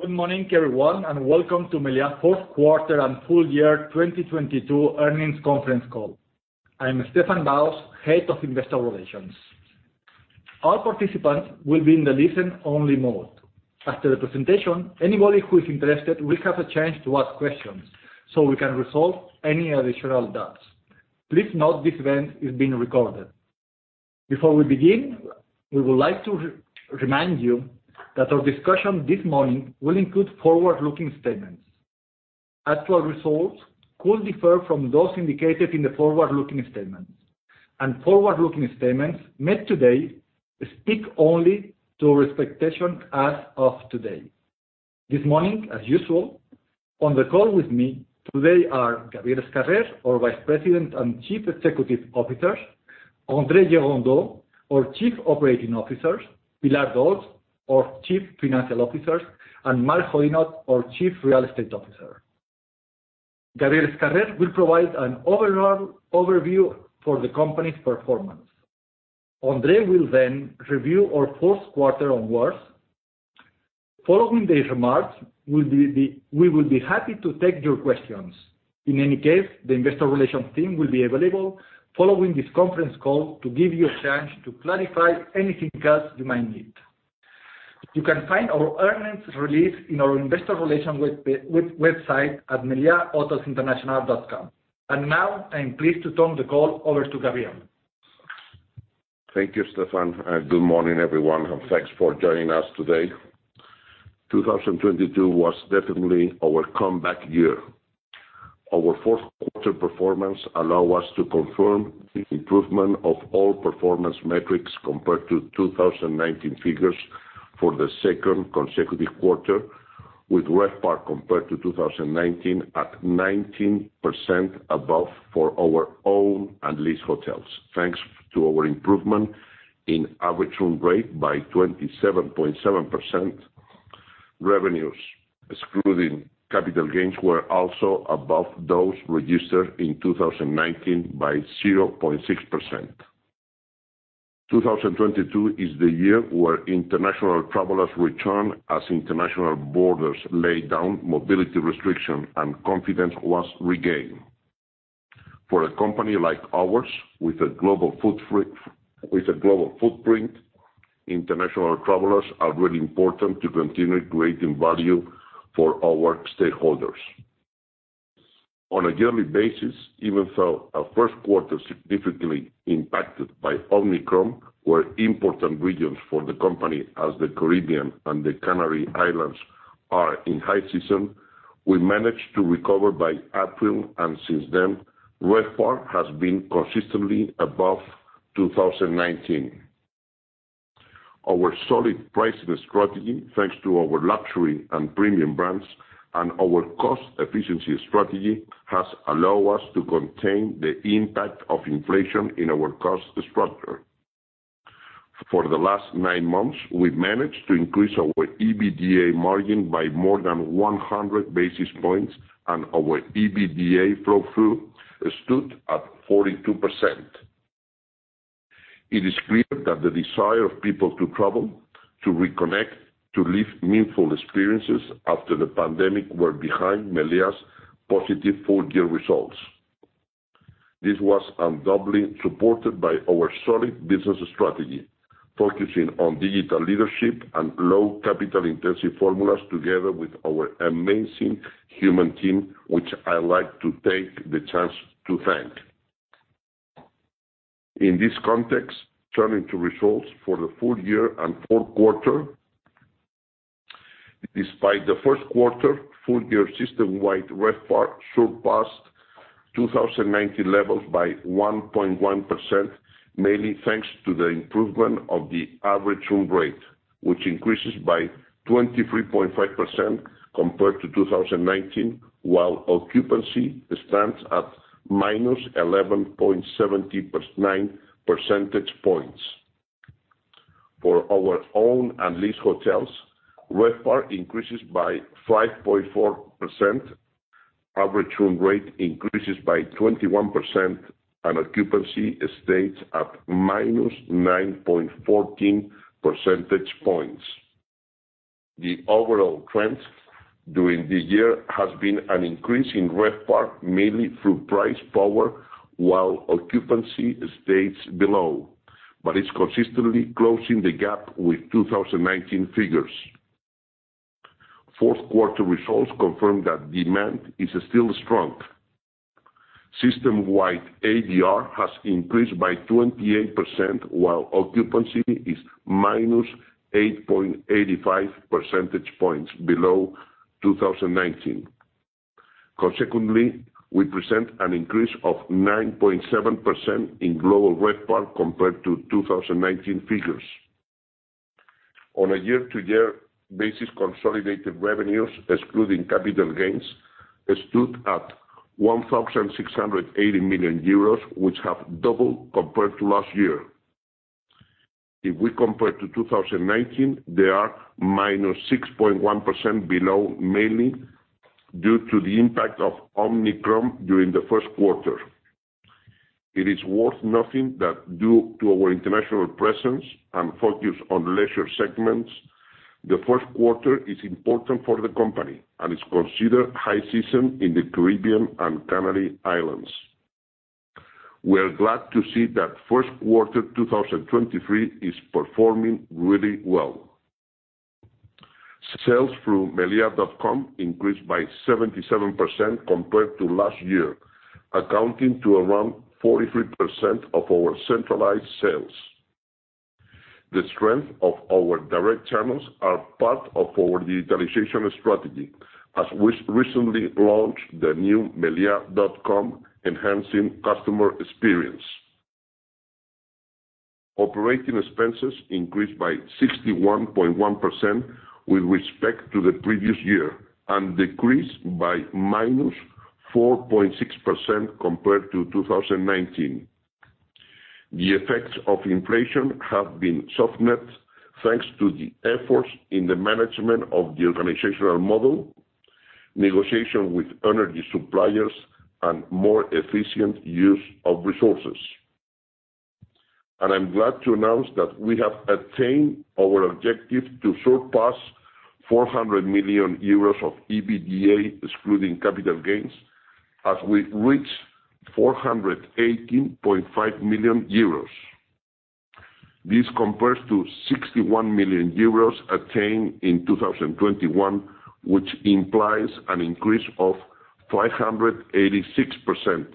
Good morning, everyone, and welcome to Meliá fourth quarter and full year 2022 earnings conference call. I'm Stéphane Baos, Head of Investor Relations. All participants will be in the listen-only mode. After the presentation, anybody who is interested will have a chance to ask questions, so we can resolve any additional doubts. Please note this event is being recorded. Before we begin, we would like to remind you that our discussion this morning will include forward-looking statements. Actual results could differ from those indicated in the forward-looking statements. Forward-looking statements made today speak only to our expectations as of today. This morning, as usual, on the call with me today are Gabriel Escarrer, our Vice President and Chief Executive Officer, André Gerondeau, our Chief Operating Officer, Pilar Dols, our Chief Financial Officer, and Mark Hoddinott, our Chief Real Estate Officer. Gabriel Escarrer will provide an overall overview for the company's performance. André will then review our fourth quarter onwards. Following the remarks, we will be happy to take your questions. In any case, the investor relation team will be available following this conference call to give you a chance to clarify anything else you might need. You can find our earnings release in our investor relation website at meliahotelsinternational.com. Now, I am pleased to turn the call over to Gabriel. Thank you, Stéphane, and good morning, everyone, and thanks for joining us today. 2022 was definitely our comeback year. Our fourth quarter performance allow us to confirm the improvement of all performance metrics compared to 2019 figures for the second consecutive quarter, with RevPAR compared to 2019 at 19% above for our owned and leased hotels. Thanks to our improvement in average room rate by 27.7%. Revenues, excluding capital gains, were also above those registered in 2019 by 0.6%. 2022 is the year where international travelers return as international borders laid down mobility restriction and confidence was regained. For a company like ours with a global footprint, international travelers are really important to continue creating value for our stakeholders. On a yearly basis, even though our first quarter significantly impacted by Omicron, where important regions for the company as the Caribbean and the Canary Islands are in high season, we managed to recover by April, and since then, RevPAR has been consistently above 2019. Our solid pricing strategy, thanks to our luxury and premium brands and our cost efficiency strategy, has allow us to contain the impact of inflation in our cost structure. For the last nine months, we've managed to increase our EBITDA margin by more than 100 basis points, and our EBITDA flow through stood at 42%. It is clear that the desire of people to travel, to reconnect, to live meaningful experiences after the pandemic were behind Meliá's positive full-year results. This was undoubtedly supported by our solid business strategy, focusing on digital leadership and low capital intensive formulas together with our amazing human team, which I like to take the chance to thank. In this context, turning to results for the full year and fourth quarter. Despite the first quarter, full year system-wide RevPAR surpassed 2019 levels by 1.1%, mainly thanks to the improvement of the average room rate, which increases by 23.5% compared to 2019, while occupancy stands at -11.9 percentage points. For our owned and leased hotels, RevPAR increases by 5.4%, average room rate increases by 21%, and occupancy stays at -9.14 percentage points. The overall trend during the year has been an increase in RevPAR mainly through price power while occupancy stays below. It's consistently closing the gap with 2019 figures. Fourth quarter results confirm that demand is still strong. System-wide ADR has increased by 28% while occupancy is -8.85 percentage points below 2019. Consequently, we present an increase of 9.7% in global RevPAR compared to 2019 figures. On a year-to-year basis, consolidated revenues, excluding capital gains, stood at 1,680 million euros which have doubled compared to last year. If we compare to 2019, they are -6.1% below, mainly due to the impact of Omicron during the first quarter. It is worth noting that due to our international presence and focus on leisure segments, the first quarter is important for the company, and is considered high season in the Caribbean and Canary Islands. We are glad to see that first quarter 2023 is performing really well. Sales through melia.com increased by 77% compared to last year, accounting to around 43% of our centralized sales. The strength of our direct channels are part of our digitalization strategy, as we recently launched the new melia.com, enhancing customer experience. Operating expenses increased by 61.1% with respect to the previous year, decreased by -4.6% compared to 2019. The effects of inflation have been softened, thanks to the efforts in the management of the organizational model, negotiation with energy suppliers, and more efficient use of resources. I'm glad to announce that we have attained our objective to surpass 400 million euros of EBITDA excluding capital gains, as we reached 418.5 million euros. This compares to 61 million euros attained in 2021, which implies an increase of 586%.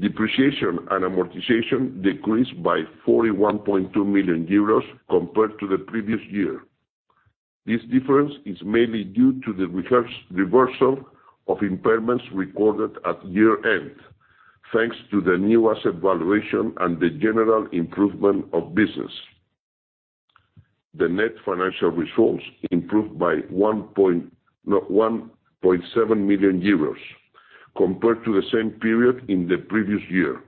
Depreciation and amortization decreased by 41.2 million euros compared to the previous year. This difference is mainly due to the reversal of impairments recorded at year-end, thanks to the new asset valuation and the general improvement of business. The net financial results improved by 1.7 million euros compared to the same period in the previous year.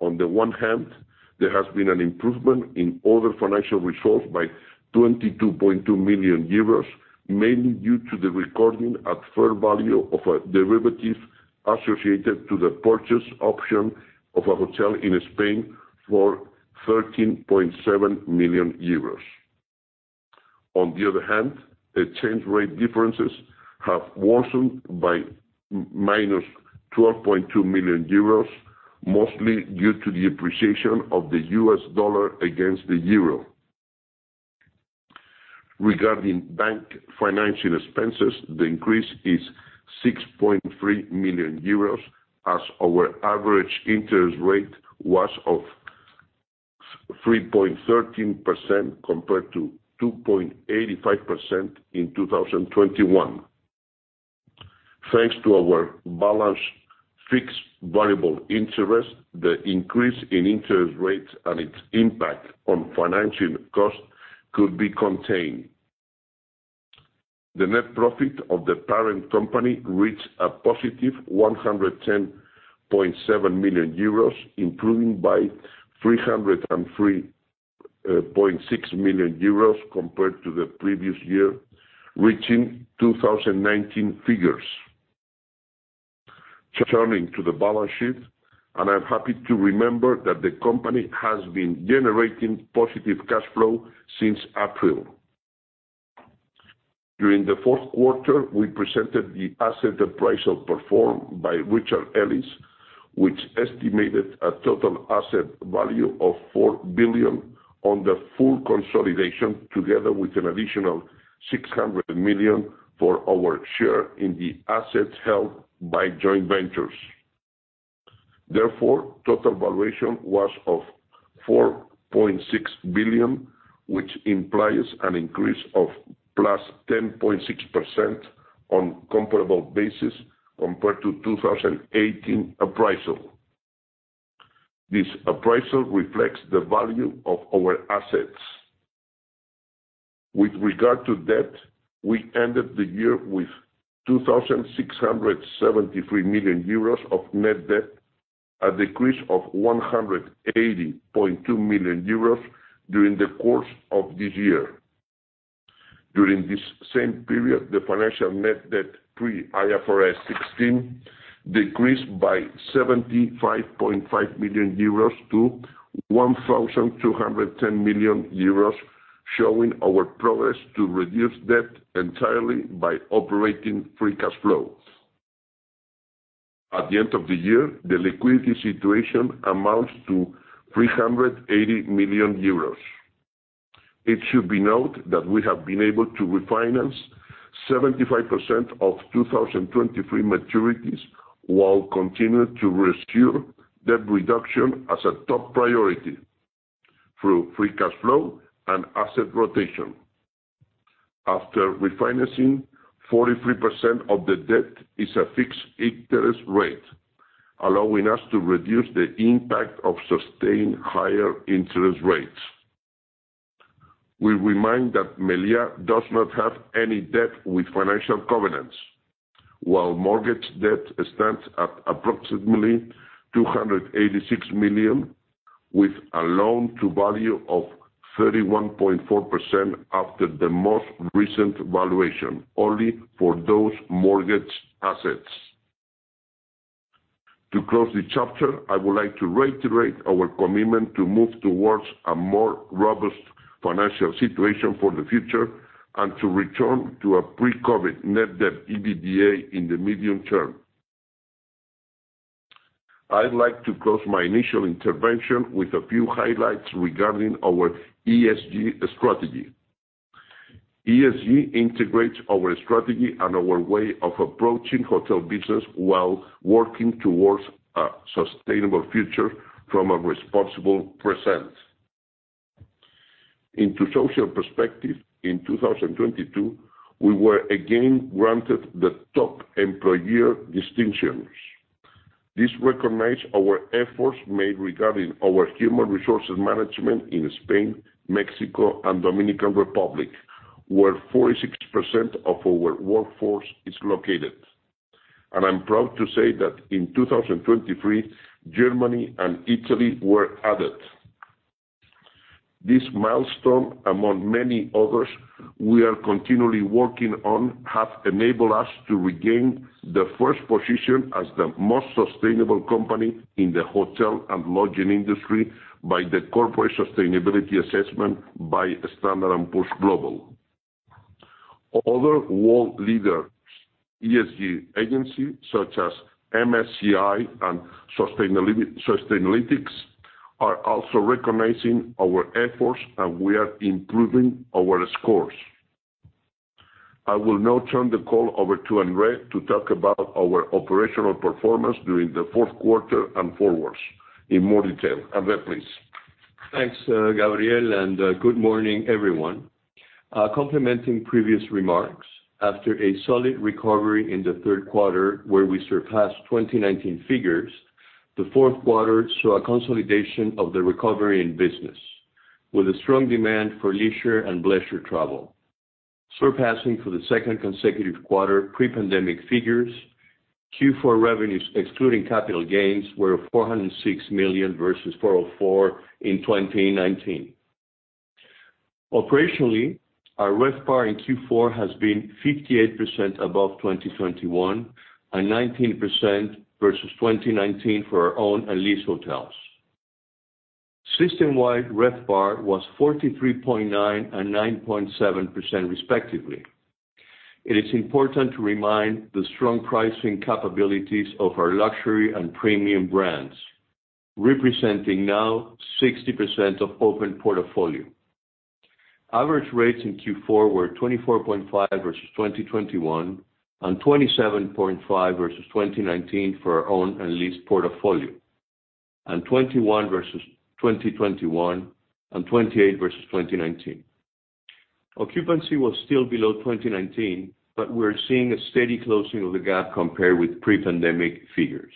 On the one hand, there has been an improvement in other financial results by 22.2 million euros, mainly due to the recording at fair value of derivatives associated to the purchase option of a hotel in Spain for 13.7 million euros. On the other hand, the change rate differences have worsened by -12.2 million euros, mostly due to the appreciation of the U.S. dollar against the euro. Regarding bank financing expenses, the increase is 6.3 million euros as our average interest rate was of 3.13% compared to 2.85% in 2021. Thanks to our balanced fixed variable interest, the increase in interest rates and its impact on financing costs could be contained. The net profit of the parent company reached a +110.7 million euros, improving by 303.6 million euros compared to the previous year, reaching 2019 figures. Turning to the balance sheet, and I'm happy to remember that the company has been generating positive cash flow since April. During the fourth quarter, we presented the asset appraisal performed by Richard Ellis, which estimated a total asset value of 4 billion on the full consolidation, together with an additional 600 million for our share in the assets held by joint ventures. Total valuation was of 4.6 billion, which implies an increase of +10.6% on comparable basis compared to 2018 appraisal. This appraisal reflects the value of our assets. With regard to debt, we ended the year with 2,673 million euros of net debt, a decrease of 180.2 million euros during the course of this year. During this same period, the financial net debt pre-IFRS 16 decreased by 75.5 million euros to 1,210 million euros, showing our progress to reduce debt entirely by operating free cash flow. At the end of the year, the liquidity situation amounts to 380 million euros. It should be noted that we have been able to refinance 75% of 2023 maturities while continuing to pursue debt reduction as a top priority through free cash flow and asset rotation. After refinancing, 43% of the debt is a fixed interest rate, allowing us to reduce the impact of sustained higher interest rates. We remind that Meliá does not have any debt with financial covenants. While mortgage debt stands at approximately 286 million, with a loan-to-value of 31.4% after the most recent valuation only for those mortgage assets. To close the chapter, I would like to reiterate our commitment to move towards a more robust financial situation for the future and to return to a pre-COVID net debt EBITDA in the medium term. I'd like to close my initial intervention with a few highlights regarding our ESG strategy. ESG integrates our strategy and our way of approaching hotel business while working towards a sustainable future from a responsible present. Into social perspective, in 2022, we were again granted the Top Employer distinctions. This recognize our efforts made regarding our human resources management in Spain, Mexico, and Dominican Republic, where 46% of our workforce is located. I'm proud to say that in 2023, Germany and Italy were added. This milestone, among many others we are continually working on, have enabled us to regain the first position as the most sustainable company in the hotel and lodging industry by the Corporate Sustainability Assessment by Standard & Poor's Global. Other world leaders, ESG agencies, such as MSCI and Sustainalytics, are also recognizing our efforts, and we are improving our scores. I will now turn the call over to André to talk about our operational performance during the fourth quarter and forwards in more detail. André, please. Thanks, Gabriel, and good morning, everyone. Complementing previous remarks, after a solid recovery in the third quarter where we surpassed 2019 figures, the fourth quarter saw a consolidation of the recovery in business with a strong demand for leisure and bleisure travel. Surpassing for the second consecutive quarter pre-pandemic figures, Q4 revenues, excluding capital gains, were 406 million versus 404 million in 2019. Operationally, our RevPAR in Q4 has been 58% above 2021 and 19% versus 2019 for our owned and leased hotels. System-wide RevPAR was 43.9% and 9.7% respectively. It is important to remind the strong pricing capabilities of our luxury and premium brands, representing now 60% of open portfolio. Average rates in Q4 were 24.5 million versus 2021, and 27.5 million versus 2019 for our owned and leased portfolio. 21 million versus 2021, and 28 million versus 2019. Occupancy was still below 2019, but we're seeing a steady closing of the gap compared with pre-pandemic figures.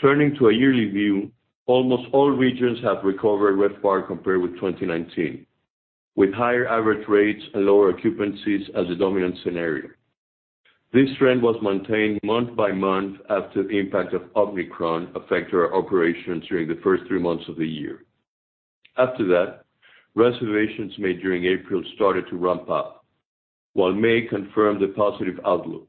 Turning to a yearly view, almost all regions have recovered RevPAR compared with 2019, with higher average rates and lower occupancies as a dominant scenario. This trend was maintained month by month after the impact of Omicron affect our operations during the first three months of the year. After that, reservations made during April started to ramp up, while May confirmed the positive outlook.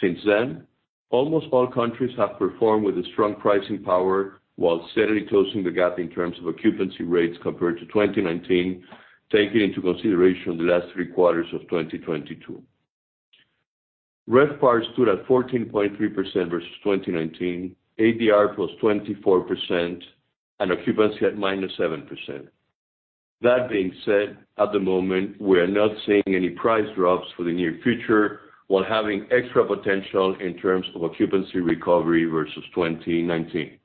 Since then, almost all countries have performed with a strong pricing power while steadily closing the gap in terms of occupancy rates compared to 2019, taking into consideration the last three quarters of 2022. RevPAR stood at 14.3% versus 2019, ADR +24%, and occupancy at -7%. That being said, at the moment, we are not seeing any price drops for the near future while having extra potential in terms of occupancy recovery versus 2019.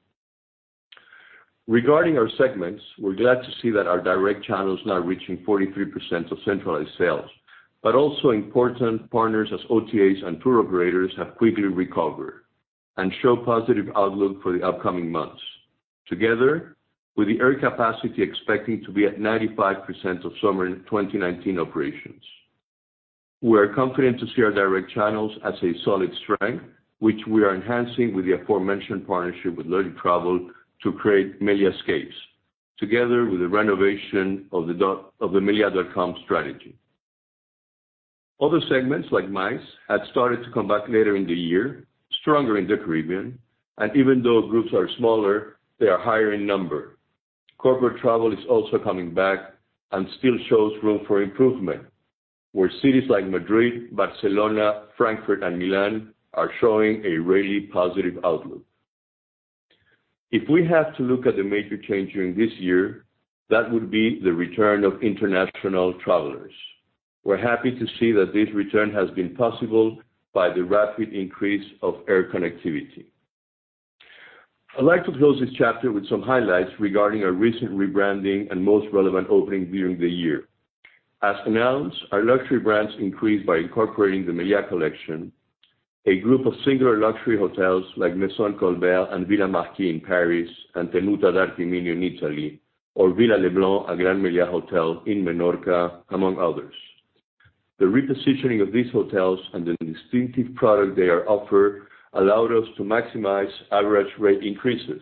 Regarding our segments, we're glad to see that our direct channel is now reaching 43% of centralized sales, but also important partners as OTAs and tour operators have quickly recovered and show positive outlook for the upcoming months. Together with the air capacity expecting to be at 95% of summer 2019 operations. We are confident to see our direct channels as a solid strength, which we are enhancing with the aforementioned partnership with Logitravel to create Meliá Escapes, together with the renovation of the melia.com strategy. Other segments, like MICE, had started to come back later in the year, stronger in the Caribbean, and even though groups are smaller, they are higher in number. Corporate travel is also coming back and still shows room for improvement, where cities like Madrid, Barcelona, Frankfurt, and Milan are showing a really positive outlook. If we have to look at the major change during this year, that would be the return of international travelers. We're happy to see that this return has been possible by the rapid increase of air connectivity. I'd like to close this chapter with some highlights regarding our recent rebranding and most relevant opening during the year. As announced, our luxury brands increased by incorporating The Meliá Collection, a group of singular luxury hotels like Maison Colbert and Villa Marquis in Paris and Tenuta di Artimino in Italy, or Villa Le Blanc, a Gran Meliá hotel in Menorca, among others. The repositioning of these hotels and the distinctive product they are offered allowed us to maximize average rate increases.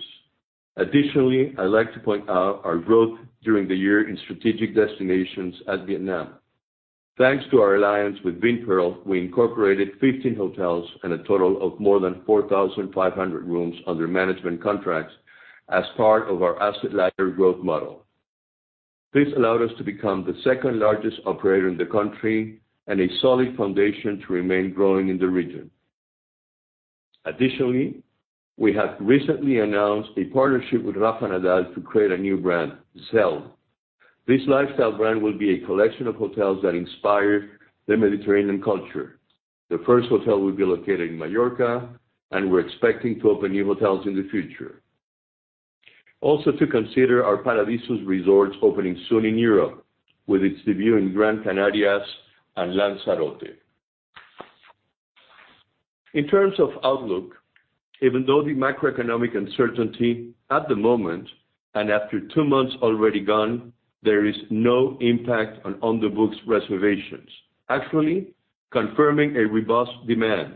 Additionally, I'd like to point out our growth during the year in strategic destinations as Vietnam. Thanks to our alliance with Vinpearl, we incorporated 15 hotels and a total of more than 4,500 rooms under management contracts as part of our asset-lighter growth model. This allowed us to become the second-largest operator in the country and a solid foundation to remain growing in the region. Additionally, we have recently announced a partnership with Rafa Nadal to create a new brand, ZEL. This lifestyle brand will be a collection of hotels that inspire the Mediterranean culture. The first hotel will be located in Mallorca, and we're expecting to open new hotels in the future. Also to consider our Paradisus resorts opening soon in Europe, with its debut in Gran Canaria and Lanzarote. In terms of outlook, even though the macroeconomic uncertainty at the moment, and after two months already gone, there is no impact on the books reservations. Actually, confirming a robust demand,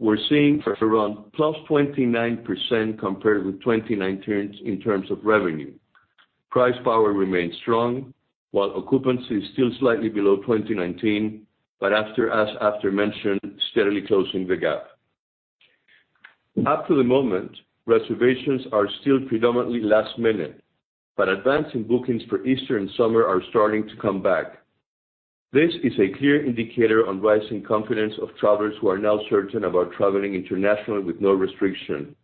we're seeing for around +29% compared with 2019 in terms of revenue. Price power remains strong, while occupancy is still slightly below 2019, but as after mentioned, steadily closing the gap. Up to the moment, reservations are still predominantly last minute, but advancing bookings for Easter and summer are starting to come back. This is a clear indicator on rising confidence of travelers who are now certain about traveling internationally with no restriction.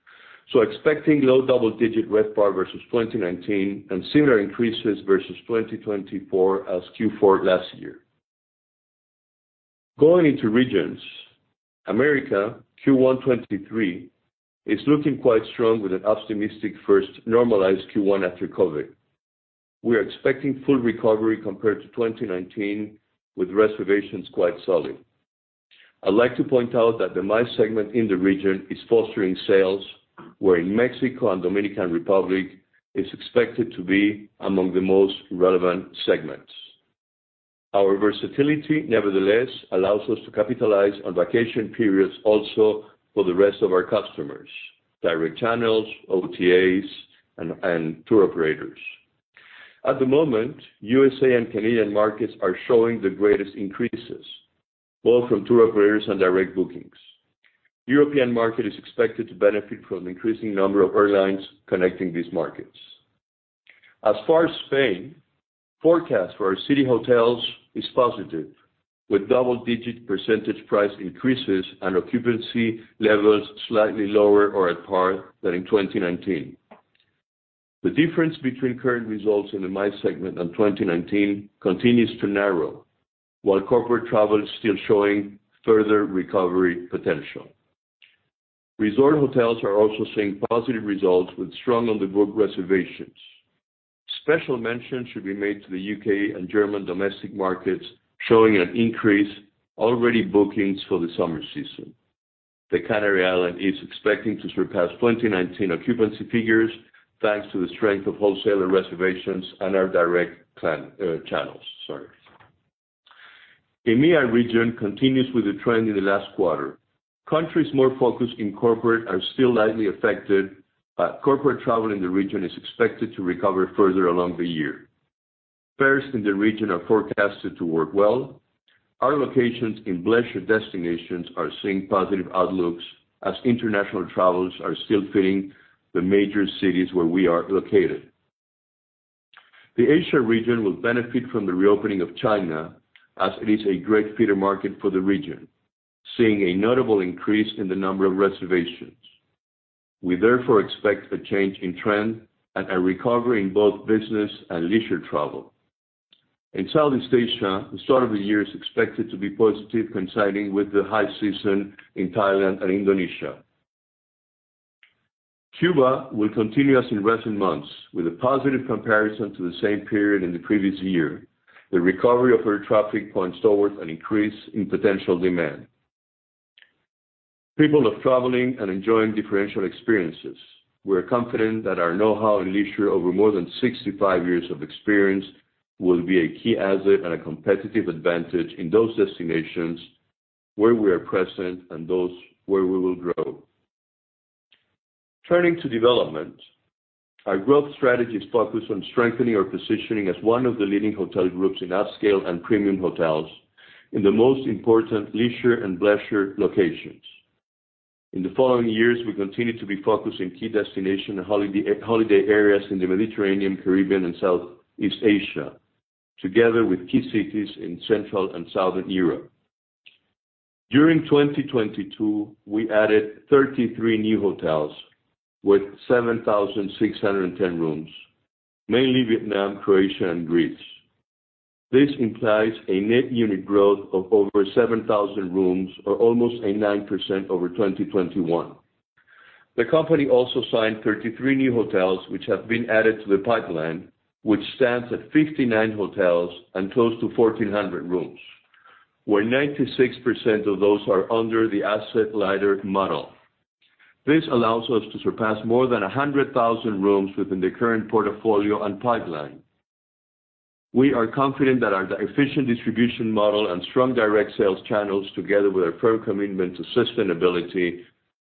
Expecting low double-digit RevPAR versus 2019 and similar increases versus 2024 as Q4 last year. Going into regions, America Q1 2023 is looking quite strong with an optimistic first normalized Q1 after COVID. We are expecting full recovery compared to 2019, with reservations quite solid. I'd like to point out that the MICE segment in the region is fostering sales, where in Mexico and Dominican Republic is expected to be among the most relevant segments. Our versatility nevertheless allows us to capitalize on vacation periods also for the rest of our customers, direct channels, OTAs and tour operators. At the moment, U.S.A. and Canadian markets are showing the greatest increases, both from tour operators and direct bookings. European market is expected to benefit from increasing number of airlines connecting these markets. As far as Spain, forecast for our city hotels is positive, with double-digit percentage price increases and occupancy levels slightly lower or at par than in 2019. The difference between current results in the MICE segment and 2019 continues to narrow, while corporate travel is still showing further recovery potential. Resort hotels are also seeing positive results with strong on-the-book reservations. Special mention should be made to the U.K. and German domestic markets, showing an increase already bookings for the summer season. The Canary Island is expecting to surpass 2019 occupancy figures, thanks to the strength of wholesaler reservations and our direct channels. Sorry. EMEA region continues with the trend in the last quarter. Countries more focused in corporate are still lightly affected, but corporate travel in the region is expected to recover further along the year. Fares in the region are forecasted to work well. Our locations in leisure destinations are seeing positive outlooks as international travelers are still fitting the major cities where we are located. The Asia region will benefit from the reopening of China, as it is a great feeder market for the region, seeing a notable increase in the number of reservations. We therefore expect a change in trend and a recovery in both business and leisure travel. In Southeast Asia, the start of the year is expected to be positive, coinciding with the high season in Thailand and Indonesia. Cuba will continue as in recent months, with a positive comparison to the same period in the previous year. The recovery of air traffic points towards an increase in potential demand. People love traveling and enjoying differential experiences. We're confident that our know-how in leisure over more than 65 years of experience will be a key asset and a competitive advantage in those destinations where we are present and those where we will grow. Turning to development, our growth strategy is focused on strengthening our positioning as one of the leading hotel groups in upscale and premium hotels in the most important leisure and bleisure locations. In the following years, we continue to be focused in key destination holiday areas in the Mediterranean, Caribbean and Southeast Asia, together with key cities in Central and Southern Europe. During 2022, we added 33 new hotels with 7,610 rooms, mainly Vietnam, Croatia and Greece. This implies a net unit growth of over 7,000 rooms or almost a 9% over 2021. The company also signed 33 new hotels which have been added to the pipeline, which stands at 59 hotels and close to 1,400 rooms, where 96% of those are under the asset-lighter model. This allows us to surpass more than 100,000 rooms within the current portfolio and pipeline. We are confident that our efficient distribution model and strong direct sales channels, together with our firm commitment to sustainability,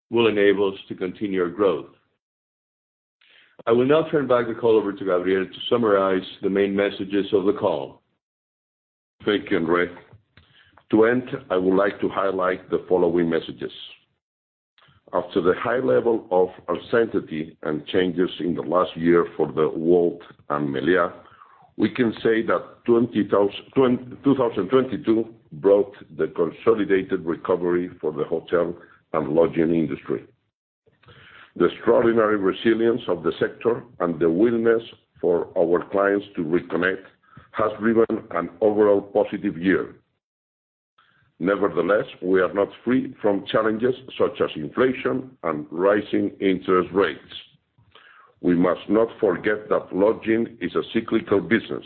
will enable us to continue our growth. I will now turn back the call over to Gabriel to summarize the main messages of the call. Thank you, André. To end, I would like to highlight the following messages. After the high level of uncertainty and changes in the last year for the world and Meliá, we can say that 2022 brought the consolidated recovery for the hotel and lodging industry. The extraordinary resilience of the sector and the willingness for our clients to reconnect has driven an overall positive year. We are not free from challenges such as inflation and rising interest rates. We must not forget that lodging is a cyclical business.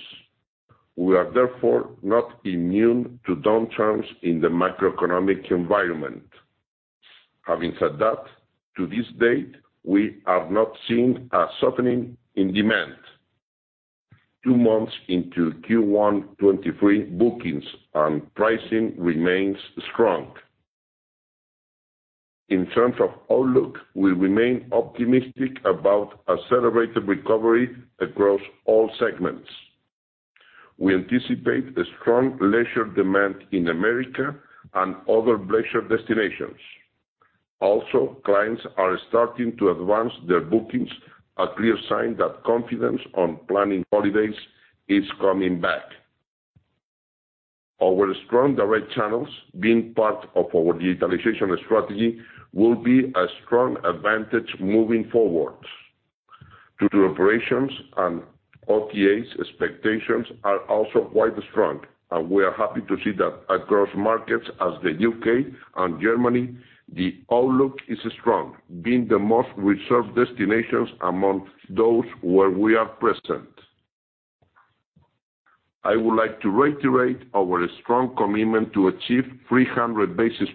We are therefore not immune to downturns in the macroeconomic environment. Having said that, to this date, we have not seen a softening in demand. Two months into Q1 2023, bookings and pricing remains strong. In terms of outlook, we remain optimistic about accelerated recovery across all segments. We anticipate a strong leisure demand in America and other leisure destinations. Clients are starting to advance their bookings, a clear sign that confidence on planning holidays is coming back. Our strong direct channels being part of our digitalization strategy will be a strong advantage moving forwards. Tour operations and OTAs expectations are also quite strong, and we are happy to see that across markets as the U.K. and Germany, the outlook is strong, being the most reserved destinations among those where we are present. I would like to reiterate our strong commitment to achieve 300 basis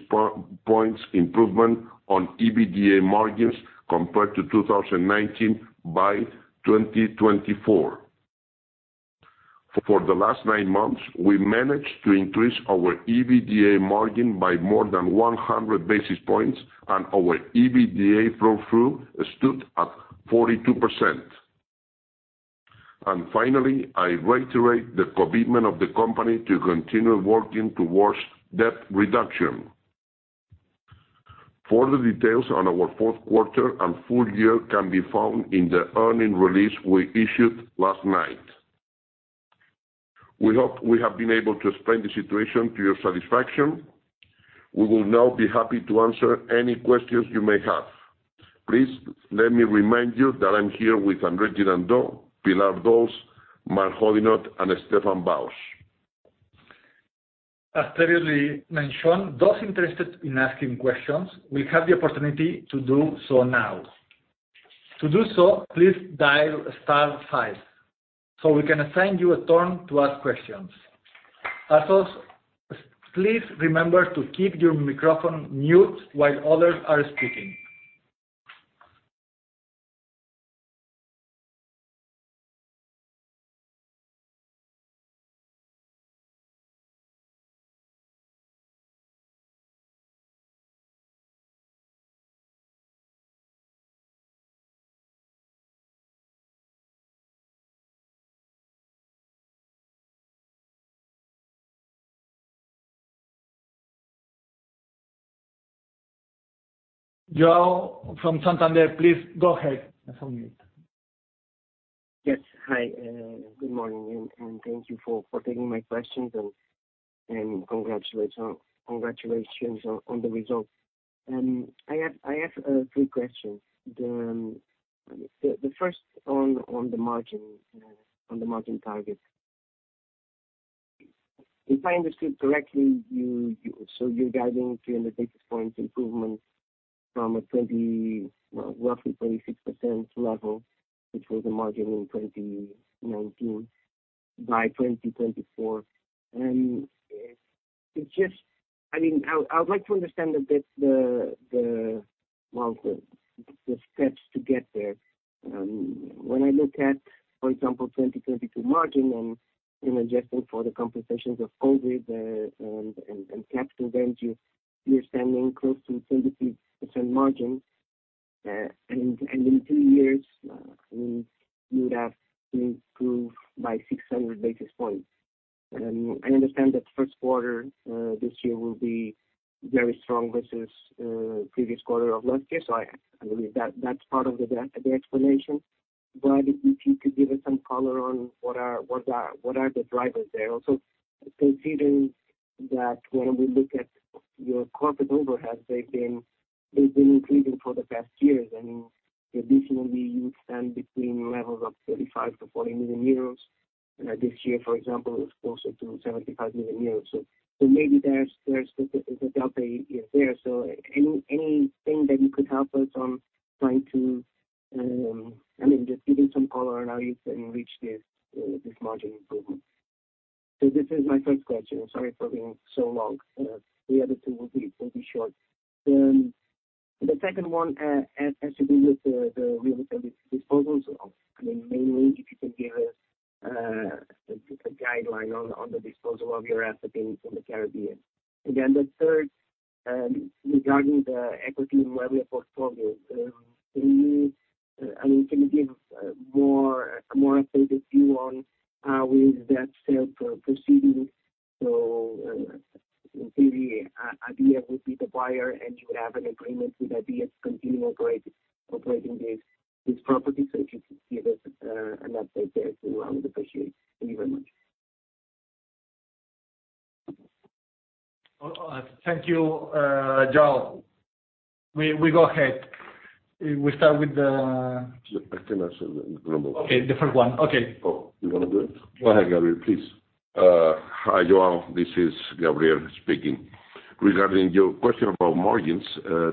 points improvement on EBITDA margins compared to 2019 by 2024. For the last nine months, we managed to increase our EBITDA margin by more than 100 basis points, and our EBITDA flow through stood at 42%. Finally, I reiterate the commitment of the company to continue working towards debt reduction. Further details on our fourth quarter and full year can be found in the earnings release we issued last night. We hope we have been able to explain the situation to your satisfaction. We will now be happy to answer any questions you may have. Please let me remind that I'm here with André Gerondeau, Pilar Dols, Mark Hoddinott and Stéphane Baos. As previously mentioned, those interested in asking questions will have the opportunity to do so now. To do so, please dial star five, so we can assign you a turn to ask questions. Also, please remember to keep your microphone mute while others are speaking. João from Santander, please go ahead. Yes. Hi, good morning, and thank you for taking my questions and congratulations on the results. I have three questions. The first on the margin on the margin target. If I understood correctly, you so you're guiding 300 basis points improvement from a well, roughly 26% level, which was the margin in 2019, by 2024. I mean, I'd like to understand a bit the well, the steps to get there. When I look at, for example, 2022 margin and adjusting for the compensations of COVID, and capital ventures, you're standing close to a 33% margin. In two years, you would have to improve by 600 basis points. I understand that first quarter this year will be very strong versus previous quarter of last year. I believe that's part of the explanation. If you could give us some color on what are the drivers there? Also considering that when we look at your corporate overhead, they've been increasing for the past years. I mean, traditionally you stand between levels of 35 million-40 million euros. This year, for example, it's closer to 75 million euros. Maybe there's the delta is there. Anything that you could help us on trying to, I mean, just giving some color analysis and reach this margin improvement. This is my first question. Sorry for being so long. The other two will be short. The second one has to do with the real estate disposals. I mean, mainly if you can give us a specific guideline on the disposal of your assets in the Caribbean. The third, regarding the equity in Meliá Portfolio, can you I mean, can you give a more updated view on how is that sale proceeding? In theory, Iberia would be the buyer, and you would have an agreement with Iberia to continue operating this property. If you could give us an update there too, I would appreciate. Thank you very much. Thank you, João. We go ahead. We start with the-. I can answer the number one. Okay. The first one. Okay. You wanna do it? Go ahead, Gabriel, please. Hi, João. This is Gabriel speaking. Regarding your question about margins,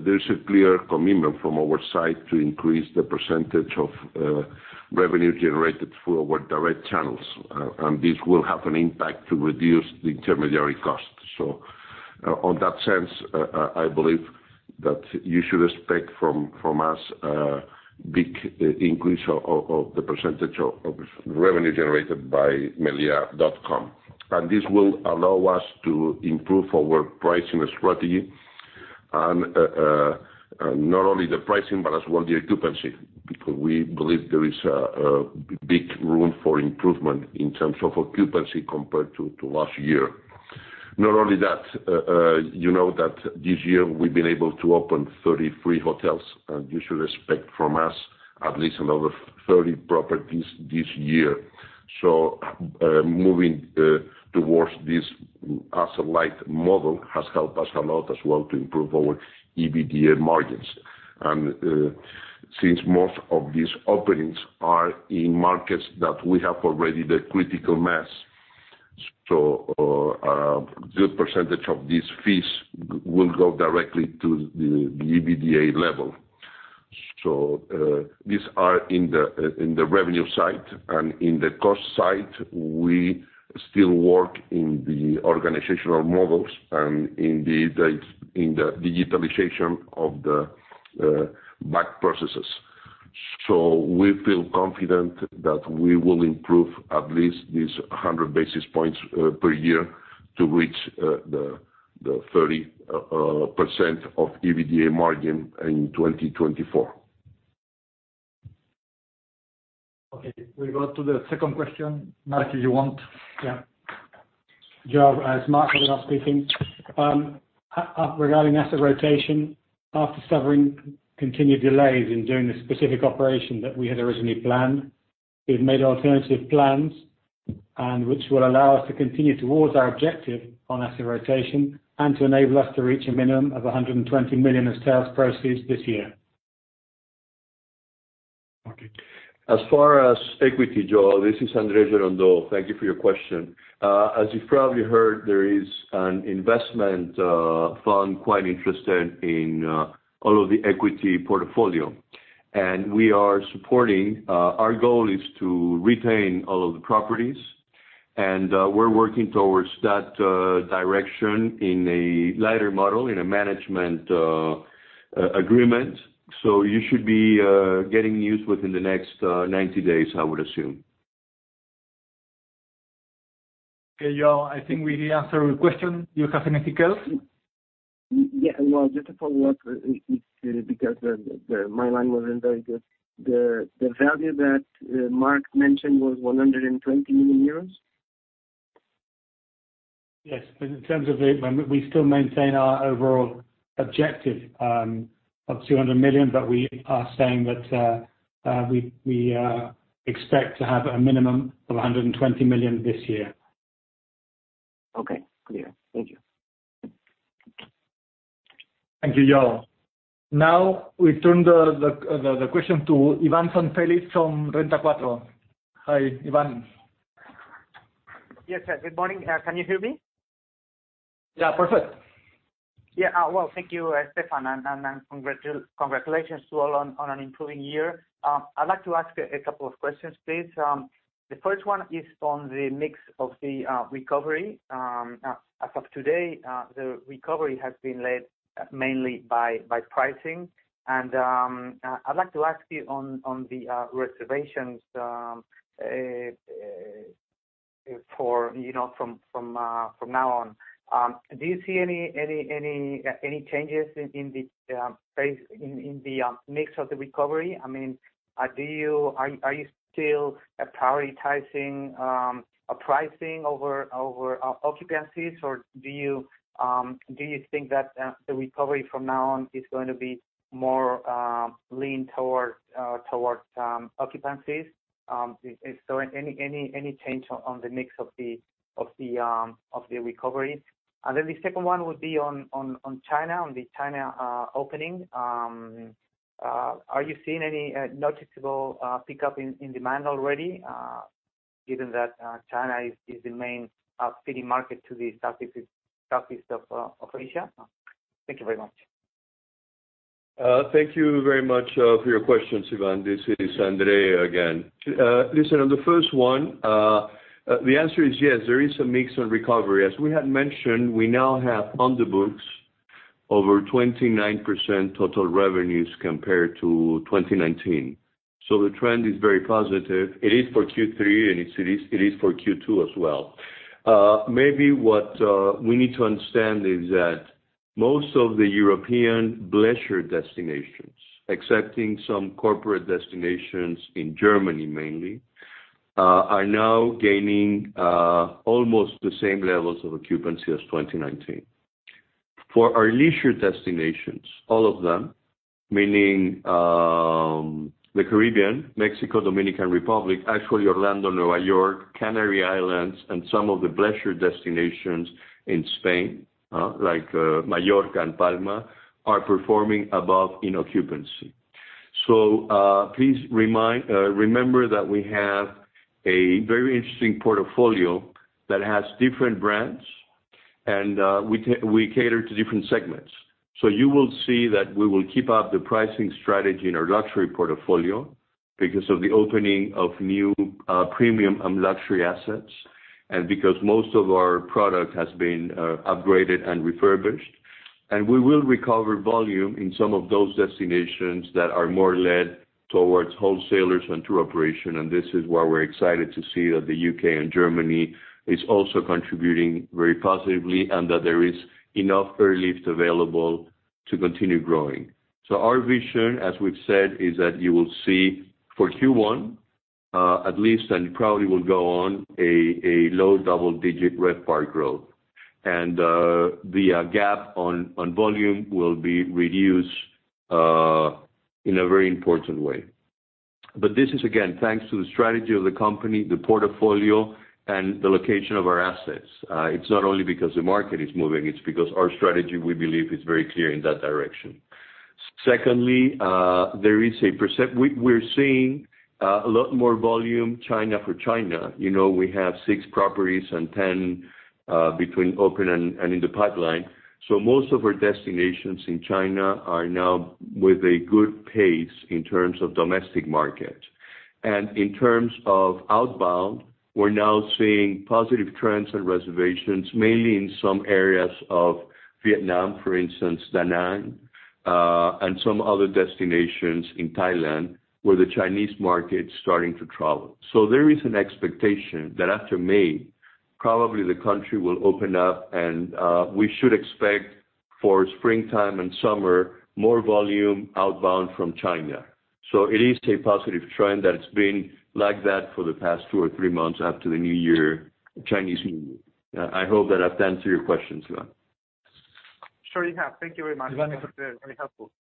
there's a clear commitment from our side to increase the percentage of revenue generated through our direct channels. This will have an impact to reduce the intermediary costs. On that sense, I believe that you should expect from us a big increase of the percentage of revenue generated by melia.com. This will allow us to improve our pricing strategy and not only the pricing but as well the occupancy, because we believe there is a big room for improvement in terms of occupancy compared to last year. Not only that, you know that this year we've been able to open 33 hotels, and you should expect from us at least another 30 properties this year. Moving towards this asset-light model has helped us a lot as well to improve our EBITDA margins. Since most of these openings are in markets that we have already the critical mass, a good percentage of these fees will go directly to the EBITDA level. These are in the revenue side, and in the cost side, we still work in the organizational models and in the digitalization of the back processes. We feel confident that we will improve at least this 100 basis points per year to reach the 30% of EBITDA margin in 2024. Okay. We go to the second question. Mark, if you want? João, it's Mark speaking. Regarding asset rotation, after suffering continued delays in doing the specific operation that we had originally planned, we've made alternative plans and which will allow us to continue towards our objective on asset rotation and to enable us to reach a minimum of 120 million as sales proceeds this year. Okay. As far as equity, João, this is André Gerondeau. Thank you for your question. As you've probably heard, there is an investment fund quite interested in all of the equity portfolio, and we are supporting. Our goal is to retain all of the properties, and we're working towards that direction in a lighter model in a management agreement. You should be getting news within the next 90 days, I would assume. Okay, João, I think we answered your question. You have anything else? Yeah. Well, just to follow up, it's because the my line wasn't very good. The value that Mark mentioned was 120 million euros? Yes. In terms of the. We still maintain our overall objective of 200 million. We are saying that we expect to have a minimum of 120 million this year. Okay. Clear. Thank you. Thank you, João. We turn the question to Iván San Félix from Renta 4. Hi, Iván. Yes. Good morning. Can you hear me? Yeah, perfect. Yeah. Well, thank you, Stéphane, and congratulations to all on an improving year. I'd like to ask a couple of questions, please. The first one is on the mix of the recovery. As of today, the recovery has been led mainly by pricing. I'd like to ask you on the reservations, for, you know, from now on, do you see any changes in the mix of the recovery? I mean, Are you still prioritizing pricing over occupancies? Do you think that the recovery from now on is going to be more lean toward towards occupancies? Is there any change on the mix of the recovery? The second one would be on the China opening. Are you seeing any noticeable pickup in demand already, given that China is the main feeding market to Southeast Asia? Thank you very much. Thank you very much for your question, Iván. This is André again. Listen, on the first one, the answer is yes, there is some mix on recovery. As we had mentioned, we now have on the books over 29% total revenues compared to 2019. The trend is very positive. It is for Q3, and it is for Q2 as well. Maybe what we need to understand is that most of the European bleisure destinations, excepting some corporate destinations in Germany mainly, are now gaining almost the same levels of occupancy as 2019. For our leisure destinations, all of them, meaning, the Caribbean, Mexico, Dominican Republic, actually Orlando, New York, Canary Islands, and some of the leisure destinations in Spain, like Mallorca and Palma, are performing above in occupancy. Please remind, remember that we have a very interesting portfolio that has different brands and we cater to different segments. You will see that we will keep up the pricing strategy in our luxury portfolio because of the opening of new premium and luxury assets and because most of our product has been upgraded and refurbished. We will recover volume in some of those destinations that are more led towards wholesalers and tour operation, and this is why we're excited to see that the U.K. and Germany is also contributing very positively and that there is enough airlift available to continue growing. Our vision, as we've said, is that you will see for Q1, at least, and probably will go on, a low double-digit RevPAR growth. The gap on volume will be reduced in a very important way. This is, again, thanks to the strategy of the company, the portfolio, and the location of our assets. It's not only because the market is moving, it's because our strategy, we believe, is very clear in that direction. Secondly, we're seeing a lot more volume China for China. You know, we have six properties and 10 between open and in the pipeline. Most of our destinations in China are now with a good pace in terms of domestic market. In terms of outbound, we're now seeing positive trends and reservations, mainly in some areas of Vietnam, for instance, Da Nang, and some other destinations in Thailand where the Chinese market's starting to travel. There is an expectation that after May, probably the country will open up and we should expect for springtime and summer, more volume outbound from China. It is a positive trend that it's been like that for the past two or three months after the new year, Chinese New Year. I hope that I've answered your question, Iván. Sure you have. Thank you very much. Iván. That was very helpful.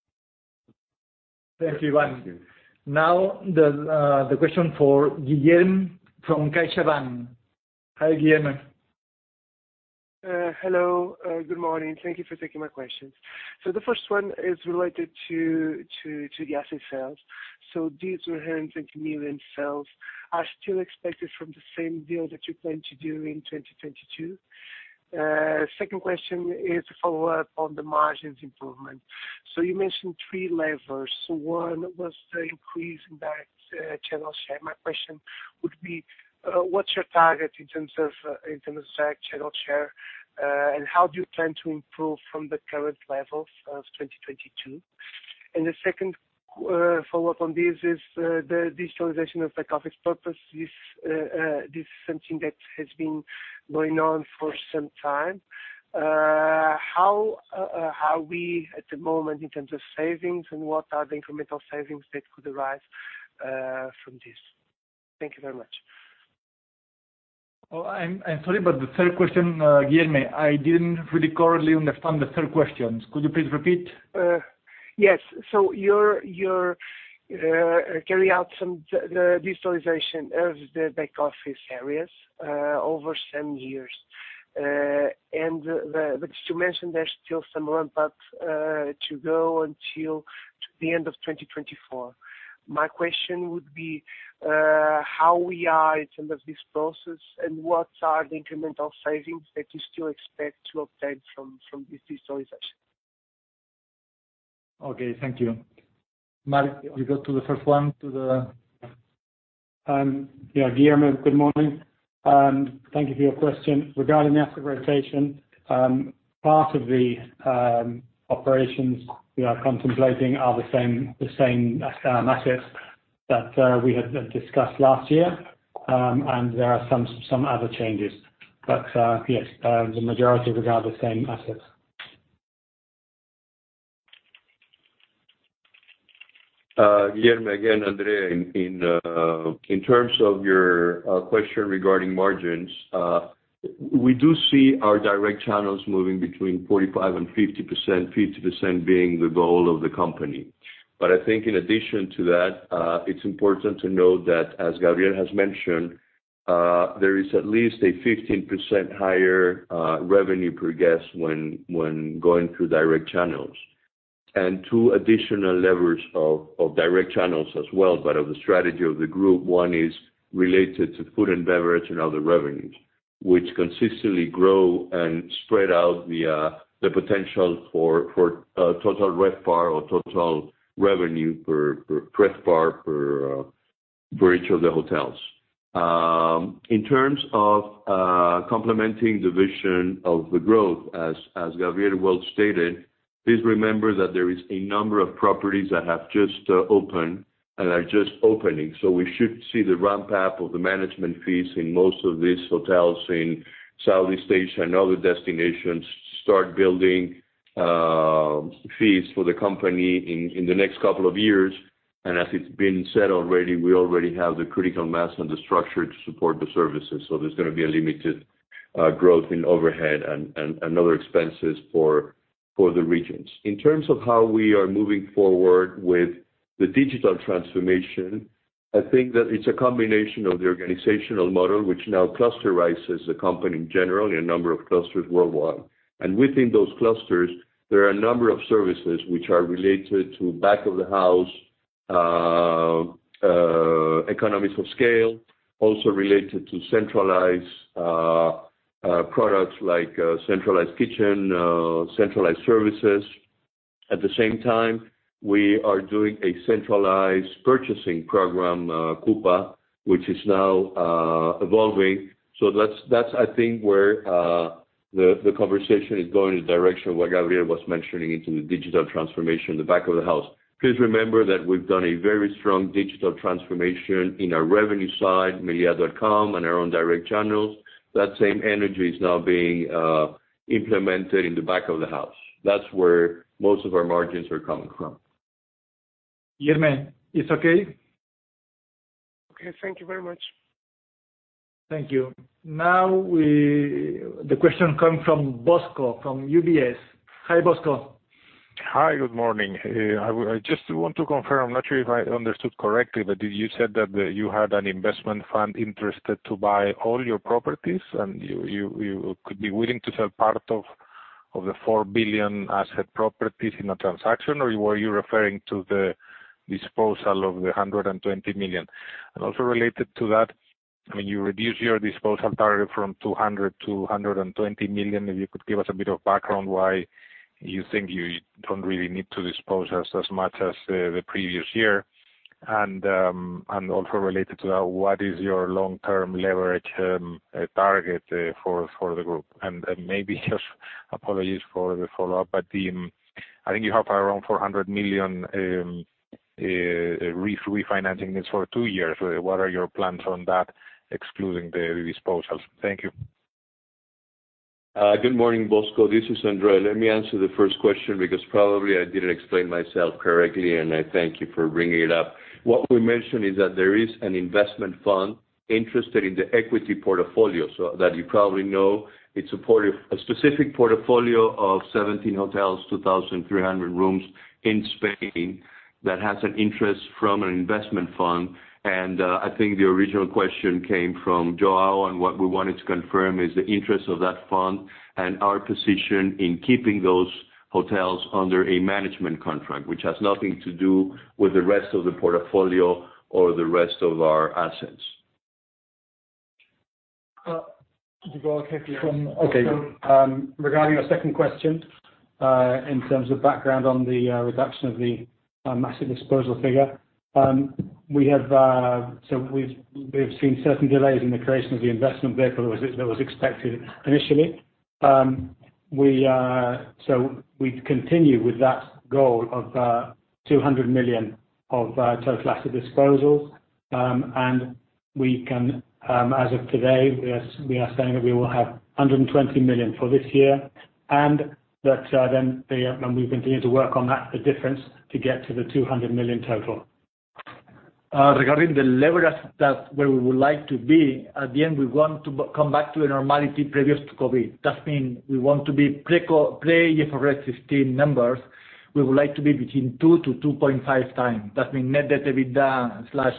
Thank you, Iván. Now the question for Guilherme from CaixaBank. Hi, Guilherme. Hello. Good morning. Thank you for taking my questions. The first one is related to the asset sales. These EUR 230 million sales are still expected from the same deal that you plan to do in 2022? Second question is a follow-up on the margins improvement. You mentioned three levers. One was the increase in direct channel share. My question would be, what's your target in terms of in terms of direct channel share, and how do you plan to improve from the current levels of 2022? The second follow-up on this is the digitalization of the back office process. This is something that has been going on for some time. How are we at the moment in terms of savings, and what are the incremental savings that could arise from this? Thank you very much. I'm sorry, the third question, Guilherme, I didn't really clearly understand the third question. Could you please repeat? Yes. You're carry out some, the digitalization of the back office areas over some years. You mentioned there's still some ramp up to go until the end of 2024. My question would be how we are in terms of this process, and what are the incremental savings that you still expect to obtain from this digitalization? Okay, thank you. Mark, you go to the first one, to the... Yeah. Guilherme, good morning, and thank you for your question. Regarding the asset rotation, part of the operations we are contemplating are the same assets that we had discussed last year, and there are some other changes. Yes, the majority regard the same assets. Guilherme again, André. In terms of your question regarding margins, we do see our direct channels moving between 45% and 50%, 50% being the goal of the company. I think in addition to that, it's important to note that, as Gabriel has mentioned, there is at least a 15% higher revenue per guest when going through direct channels. Two additional levers of direct channels as well, but of the strategy of the group, one is related to food and beverage and other revenues. Which consistently grow and spread out the potential for total RevPAR or total revenue per available room for each of the hotels. In terms of complementing the vision of the growth, as Gabriel well stated, please remember that there is a number of properties that have just opened and are just opening. We should see the ramp path of the management fees in most of these hotels in Southeast Asia and other destinations start building fees for the company in the next couple of years. As it's been said already, we already have the critical mass and the structure to support the services. There's gonna be a limited growth in overhead and other expenses for the regions. In terms of how we are moving forward with the digital transformation, I think that it's a combination of the organizational model, which now clusterizes the company in general in a number of clusters worldwide. Within those clusters, there are a number of services which are related to back of the house, economies of scale, also related to centralized products like centralized kitchen, centralized services. At the same time, we are doing a centralized purchasing program, Coupa, which is now evolving. That's, I think, where the conversation is going, the direction where Gabriel was mentioning into the digital transformation, the back of the house. Please remember that we've done a very strong digital transformation in our revenue side, melia.com and our own direct channels. That same energy is now being implemented in the back of the house. That's where most of our margins are coming from. Guilherme, it's okay? Okay. Thank you very much. Thank you. Now The question come from Bosco, from UBS. Hi, Bosco. Hi. Good morning. I just want to confirm, I'm not sure if I understood correctly, you said that you had an investment fund interested to buy all your properties, and you could be willing to sell part of the 4 billion asset properties in a transaction, or were you referring to the disposal of the 120 million? Also related to that, I mean, you reduced your disposal target from 200 million to 120 million. If you could give us a bit of background why you think you don't really need to dispose as much as the previous year. Also related to that, what is your long-term leverage target for the group? Maybe just apologies for the follow-up, but the, I think you have around 400 million refinancing this for two years. What are your plans on that, excluding the disposals? Thank you. Good morning, Bosco. This is André. Let me answer the first question because probably I didn't explain myself correctly, and I thank you for bringing it up. What we mentioned is that there is an investment fund interested in the equity portfolio, so that you probably know it's a specific portfolio of 17 hotels, 2,300 rooms in Spain that has an interest from an investment fund. I think the original question came from Joao, and what we wanted to confirm is the interest of that fund and our position in keeping those hotels under a management contract, which has nothing to do with the rest of the portfolio or the rest of our assets. Well, Mark can you... Okay. Regarding your second question, in terms of background on the reduction of the massive disposal figure, we've seen certain delays in the creation of the investment vehicle that was expected initially. We continue with that goal of 200 million of total asset disposals. As of today, we are saying that we will have 120 million for this year. We continue to work on that, the difference, to get to the 200 million total. Regarding the leverage that where we would like to be, at the end, we want to come back to a normality previous to COVID. That mean we want to be pre-IFRS 16 numbers, we would like to be between 2-2.5x. That mean net debt EBITDA slash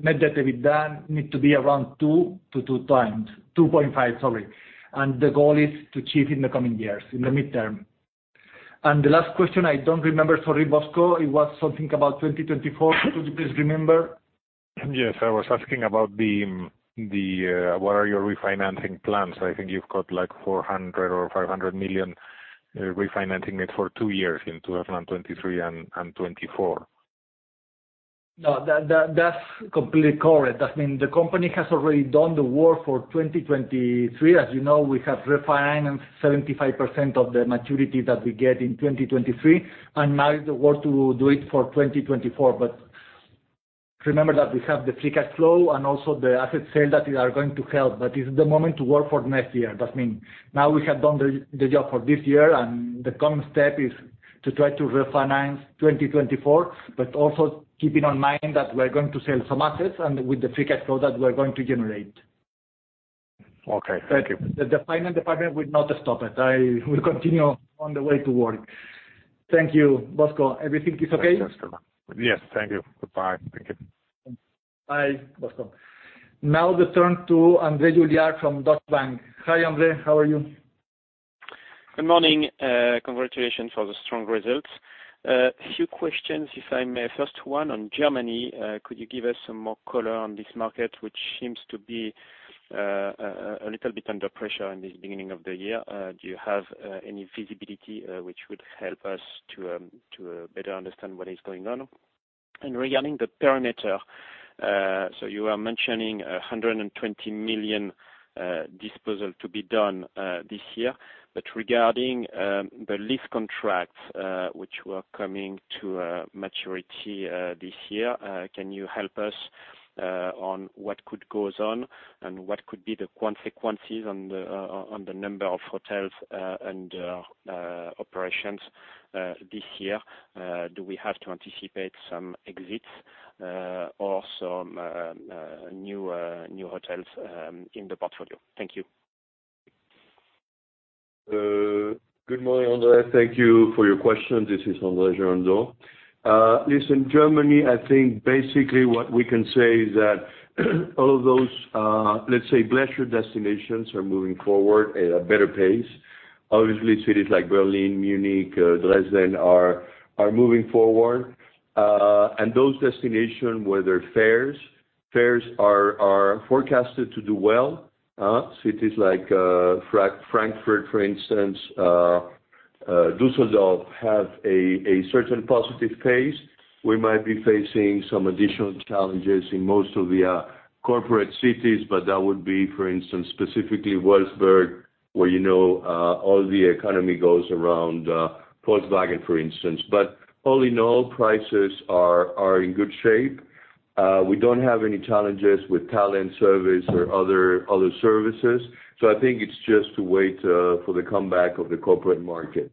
Net debt to EBITDA need to be around 2-2x. 2.5, sorry. The goal is to achieve in the coming years, in the midterm. The last question, I don't remember. Sorry, Bosco. It was something about 2024. Could you please remember? Yes. I was asking about what are your refinancing plans? I think you've got like 400 million or 500 million refinancing it for two years in 2023 and 2024. No, that's completely correct. That mean the company has already done the work for 2023. As you know, we have refinanced 75% of the maturity that we get in 2023, and now is the work to do it for 2024. Remember that we have the free cash flow and also the asset sale that are going to help. It's the moment to work for next year. That mean now we have done the job for this year and the coming step is to try to refinance 2024, but also keeping in mind that we're going to sell some assets and with the free cash flow that we're going to generate. Okay. Thank you. The finance department will not stop it. I will continue on the way to work. Thank you, Bosco. Everything is okay? Yes. Thank you. Goodbye. Thank you. Bye, Bosco. Now the turn to André Juillard from Deutsche Bank. Hi, Andre. How are you? Good morning. Congratulations for the strong results. Few questions, if I may. First one on Germany, could you give us some more color on this market, which seems to be a little bit under pressure in the beginning of the year? Do you have any visibility which would help us to better understand what is going on? Regarding the perimeter, you are mentioning 120 million disposal to be done this year. Regarding the lease contracts, which were coming to maturity this year, can you help us on what could goes on and what could be the consequences on the number of hotels and operations this year? Do we have to anticipate some exits, or some new hotels in the portfolio? Thank you. Good morning, André. Thank you for your question. This is André Gerondeau. Listen, Germany, I think basically what we can say is that all of those, let's say, leisure destinations are moving forward at a better pace. Obviously, cities like Berlin, Munich, Dresden are moving forward. And those destination where there are fares. Fares are forecasted to do well. Cities like Frankfurt, for instance, Düsseldorf, have a certain positive pace. We might be facing some additional challenges in most of the corporate cities, but that would be, for instance, specifically Wolfsburg, where, you know, all the economy goes around Volkswagen, for instance. But all in all, prices are in good shape. We don't have any challenges with talent, service or other services. I think it's just to wait for the comeback of the corporate market.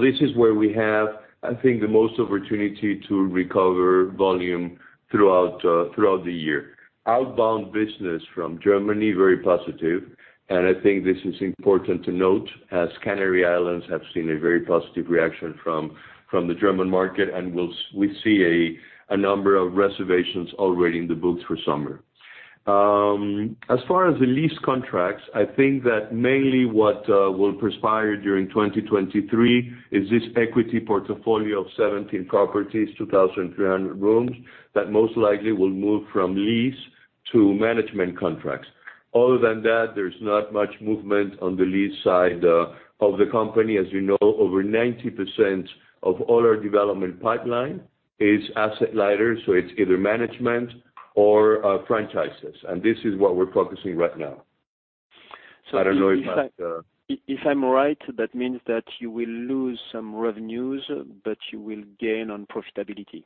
This is where we have, I think, the most opportunity to recover volume throughout the year. Outbound business from Germany, very positive. I think this is important to note as Canary Islands have seen a very positive reaction from the German market, and we see a number of reservations already in the books for summer. As far as the lease contracts, I think that mainly what will perspire during 2023 is this equity portfolio of 17 properties, 2,300 rooms, that most likely will move from lease to management contracts. Other than that, there's not much movement on the lease side of the company. As you know, over 90% of all our development pipeline is asset lighter, so it's either management or franchises. This is what we're focusing right now. I don't know if. If I'm right, that means that you will lose some revenues, but you will gain on profitability.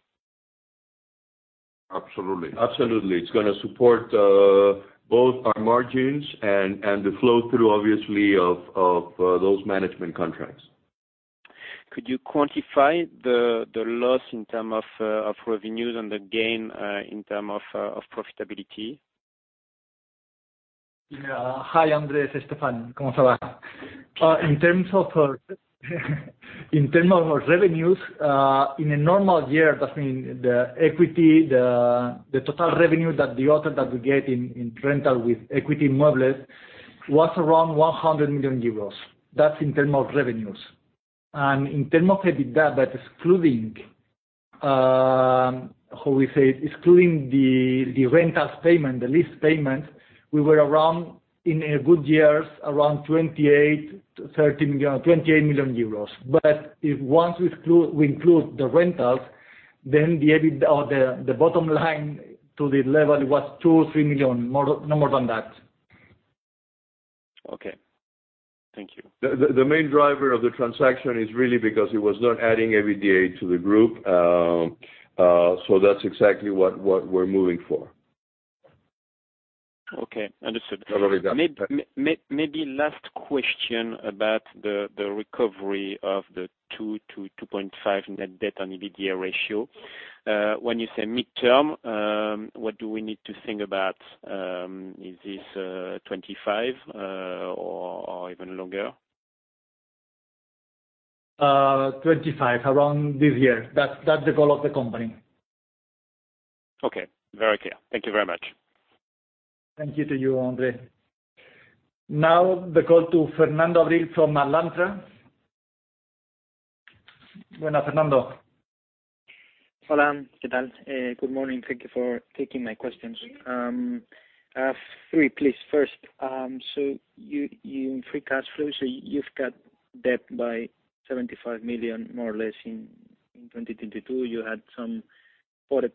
Absolutely. It's gonna support both our margins and the flow through obviously of those management contracts. Could you quantify the loss in terms of revenues and the gain in terms of profitability? Hi, André. It's Stéphane. Comment ca va? In terms of revenues, in a normal year, that means the equity, the total revenue that the author that we get in rental with Equity Inmuebles was around 100 million euros. That's in term of revenues. In term of EBITDA, but excluding, how we say, excluding the rentals payment, the lease payment, we were around, in a good years, around 28 million-30 million, 28 million euros. Once we include the rentals, then the bottom line to the level was 2 million-3 million, more, no more than that. Okay. Thank you. The main driver of the transaction is really because it was not adding EBITDA to the group. That's exactly what we're moving for. Okay. Understood. That'll be done. Maybe last question about the recovery of the 2-2.5x net debt on EBITDA ratio. When you say midterm, what do we need to think about? Is this 2025, or even longer? 2025, around this year. That's the goal of the company. Okay. Very clear. Thank you very much. Thank you to you, André. Now the call to Fernando Abril from Alantra. Bueno, Fernando. Hola. Good morning. Thank you for taking my questions. I have three, please. First, you in free cash flow, you've cut debt by 75 million, more or less, in 2022. You had some forex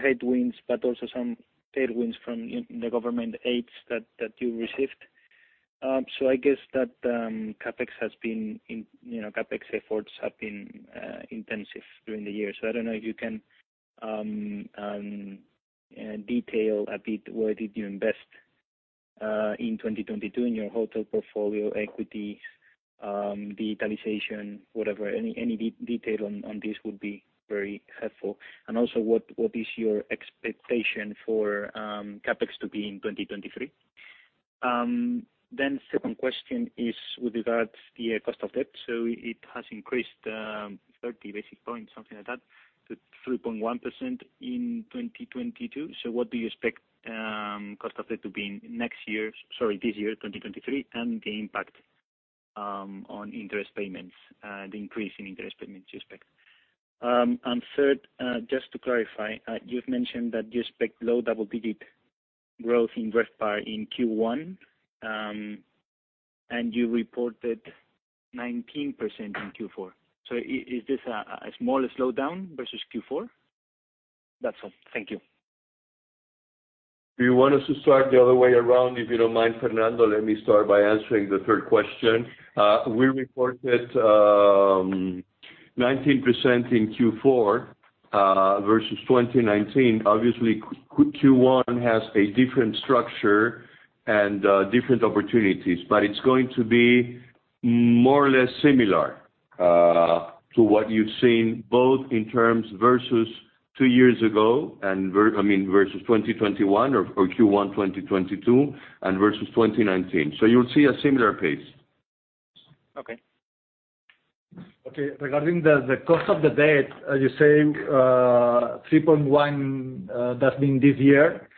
headwinds, but also some tailwinds from the government aids that you received. I guess that CapEx has been in, you know, CapEx efforts have been intensive during the year. I don't know if you can detail a bit where did you invest in 2022 in your hotel portfolio, equity, digitalization, whatever. Any detail on this would be very helpful. What is your expectation for CapEx to be in 2023? Second question is with regards the cost of debt. It has increased, 30 basis points, something like that, to 3.1% in 2022. What do you expect, cost of debt to be in next year, sorry, this year, 2023, and the impact on interest payments, the increase in interest payments you expect. Third, just to clarify, you've mentioned that you expect low double-digit growth in RevPAR in Q1, and you reported 19% in Q4. Is this a smaller slowdown versus Q4? That's all. Thank you. Do you want us to start the other way around? If you don't mind, Fernando, let me start by answering the third question. We reported 19% in Q4 versus 2019. Obviously Q1 has a different structure and different opportunities, but it's going to be more or less similar to what you've seen both in terms versus two years ago and I mean versus 2021 or Q1 2022 and versus 2019. You'll see a similar pace. Okay. Okay. Regarding the cost of the debt, you say 3.1%, that's been this year.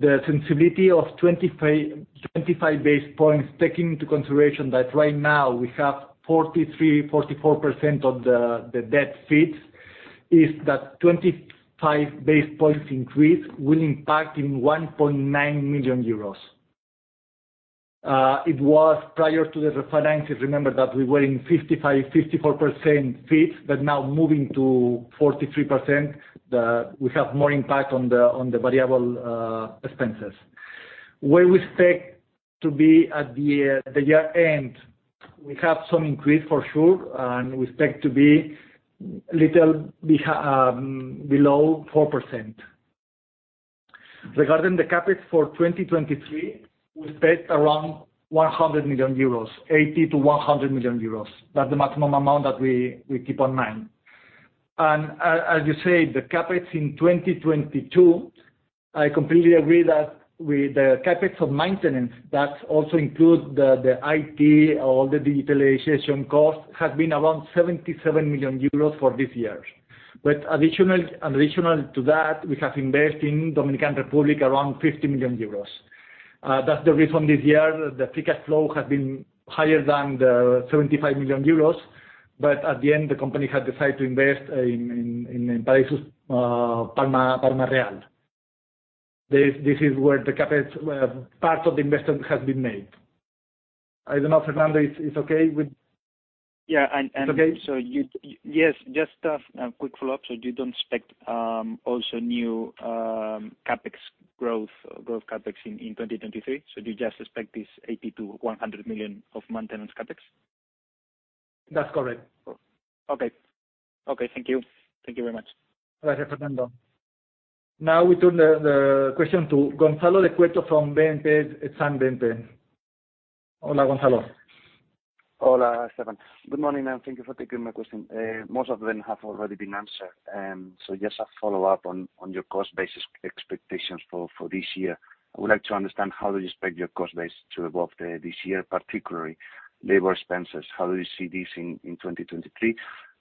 The sensibility of 25 basis points, taking into consideration that right now we have 43%-44% of the debt fees, is that 25 basis points increase will impact in 1.9 million euros. It was prior to the refinances. Remember that we were in 55%-54% fees, now moving to 43%. We have more impact on the variable expenses. Where we expect to be at the year-end, we have some increase for sure, we expect to be little below 4%. Regarding the CapEx for 2023, we expect around 100 million euros, 80 million-100 million euros. That's the maximum amount that we keep on mind. As you say, the CapEx in 2022, I completely agree that with the CapEx of maintenance, that also includes the IT, all the digitalization costs, has been around 77 million euros for this year. Additional to that, we have invested in Dominican Republic around 50 million euros. That's the reason this year the free cash flow has been higher than the 75 million euros. At the end, the company had decided to invest in Paradisus Palma Real. This is where the CapEx part of the investment has been made. I don't know if Fernando is okay with. Yeah, and. Is it okay? Yes, just a quick follow-up. You don't expect also new growth CapEx in 2023? Do you just expect this 80 million-100 million of maintenance CapEx? That's correct. Okay. Okay, thank you. Thank you very much. All right, Fernando. Now we turn the question to Gonzalo de Cueto from BNP, Exane BNP. Hola, Gonzalo. Hola, Stephane. Good morning, and thank you for taking my question. Most of them have already been answered, just a follow-up on your cost base expectations for this year. I would like to understand how do you expect your cost base to evolve this year, particularly labor expenses. How do you see this in 2023,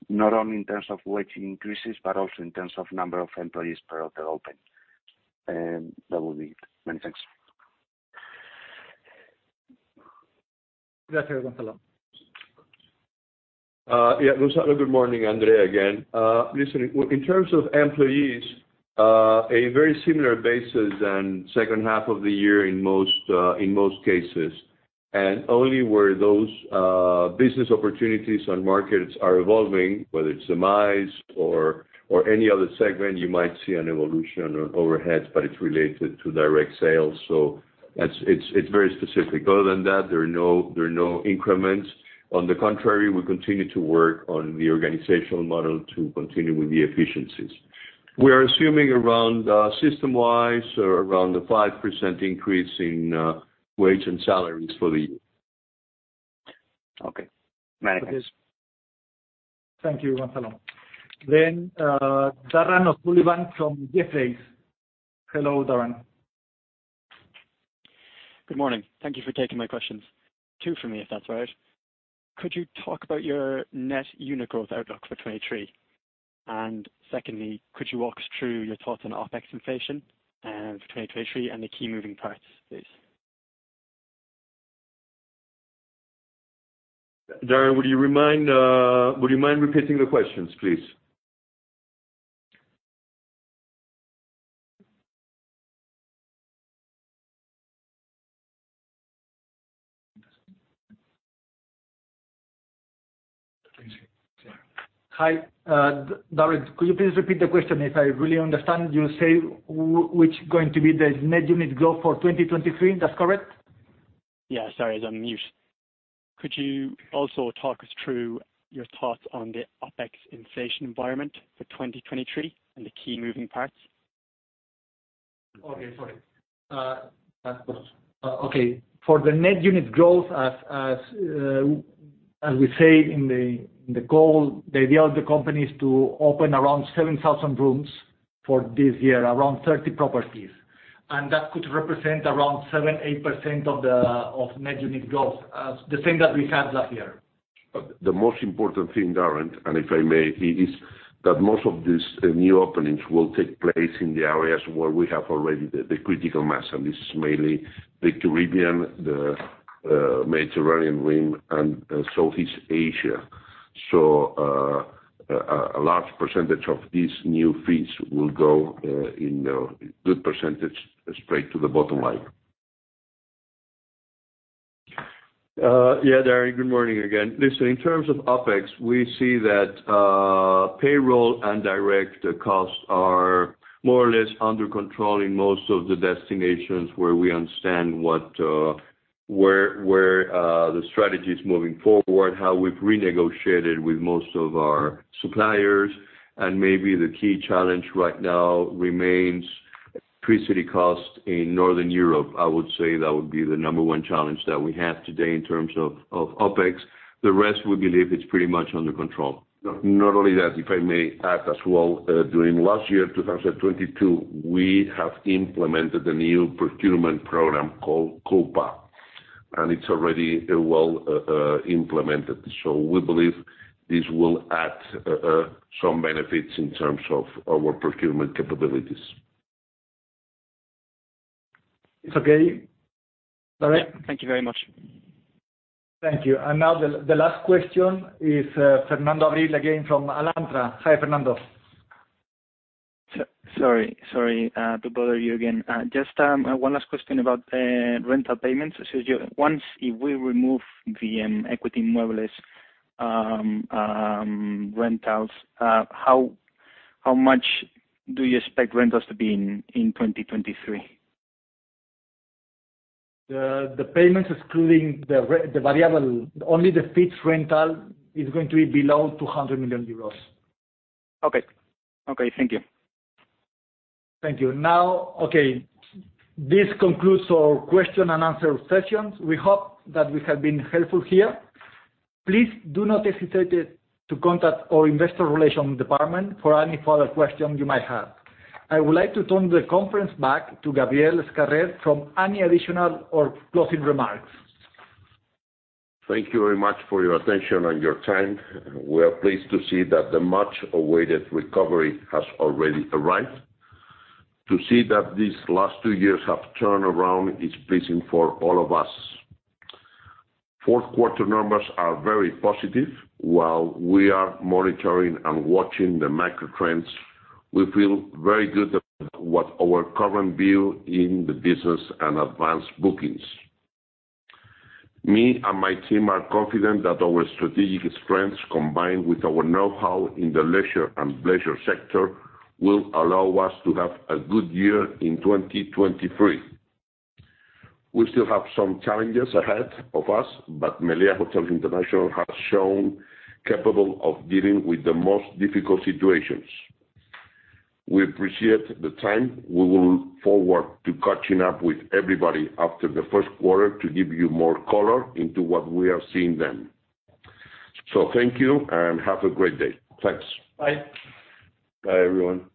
not only in terms of wage increases, but also in terms of number of employees per hotel open? That will be it. Many thanks. Gracias, Gonzalo. Yeah. Gonzalo, good morning. André again. Listen, in terms of employees, a very similar basis than second half of the year in most cases. Only where those business opportunities on markets are evolving, whether it's semis or any other segment, you might see an evolution on overheads, but it's related to direct sales. That's very specific. Other than that, there are no increments. On the contrary, we continue to work on the organizational model to continue with the efficiencies. We are assuming around system-wise or around a 5% increase in wage and salaries for the year. Okay. Many thanks. Thank you, Gonzalo. Darragh O'Sullivan from Jefferies. Hello, Darragh. Good morning. Thank you for taking my questions. Two for me, if that's all right. Could you talk about your net unit growth outlook for 2023? Secondly, could you walk us through your thoughts on OpEx inflation for 2023 and the key moving parts, please? Darragh, would you mind repeating the questions, please? Hi. Darragh, could you please repeat the question? If I really understand, you say which going to be the net unit growth for 2023, that's correct? Yeah. Sorry, I was on mute. Could you also talk us through your thoughts on the OpEx inflation environment for 2023 and the key moving parts? Okay, sorry. Of course. Okay. For the net unit growth, as we say in the goal, the idea of the company is to open around 7,000 rooms for this year, around 30 properties. That could represent around 7%-8% of net unit growth, the same that we had last year. The most important thing, Darragh, and if I may, is that most of these new openings will take place in the areas where we have already the critical mass, and this is mainly the Caribbean, the Mediterranean rim, and Southeast Asia. A large percentage of these new fees will go in a good percentage straight to the bottom line. Yeah, Darren, good morning again. Listen, in terms of OpEx, we see that payroll and direct costs are more or less under control in most of the destinations where we understand what, where the strategy is moving forward, how we've renegotiated with most of our suppliers. Maybe the key challenge right now remains electricity costs in Northern Europe. I would say that would be the number one challenge that we have today in terms of OpEx. The rest we believe is pretty much under control. Not only that, if I may add as well, during last year, 2022, we have implemented a new procurement program called Coupa, and it's already well implemented. We believe this will add some benefits in terms of our procurement capabilities. It's okay. Darragh? Thank you very much. Thank you. Now the last question is Fernando Abril again from Alantra. Hi, Fernando. Sorry, to bother you again. Just one last question about rental payments. If we remove the Equity Inmuebles rentals, how much do you expect rentals to be in 2023? The payments excluding the variable, only the fixed rental is going to be below 200 million euros. Okay. Okay, thank you. Thank you. This concludes our question and answer session. We hope that we have been helpful here. Please do not hesitate to contact our investor relation department for any further questions you might have. I would like to turn the conference back to Gabriel Escarrer for any additional or closing remarks. Thank you very much for your attention and your time. We are pleased to see that the much-awaited recovery has already arrived. To see that these last two years have turned around is pleasing for all of us. Fourth quarter numbers are very positive. While we are monitoring and watching the macro trends, we feel very good about what our current view in the business and advanced bookings. Me and my team are confident that our strategic strengths, combined with our know-how in the leisure and bleisure sector, will allow us to have a good year in 2023. We still have some challenges ahead of us. Meliá Hotels International has shown capable of dealing with the most difficult situations. We appreciate the time. We will look forward to catching up with everybody after the first quarter to give you more color into what we are seeing then. Thank you, and have a great day. Thanks. Bye. Bye, everyone.